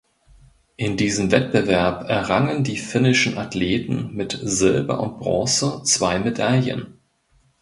In diesem Wettbewerb errangen die finnischen Athleten mit Silber und Bronze zwei Medaillen.